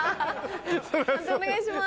判定お願いします。